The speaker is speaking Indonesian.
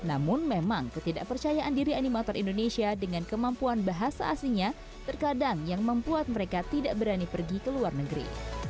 namun memang ketidakpercayaan diri animator indonesia dengan kemampuan bahasa asingnya terkadang yang membuat mereka tidak berani pergi ke luar negeri